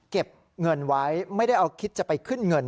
เก็บเงินไว้ไม่ได้เอาคิดจะไปขึ้นเงิน